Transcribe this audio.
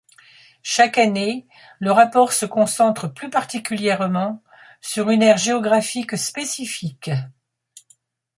Chaque année, le rapport se concentre plus particulièrement sur une aire géographique spécifique.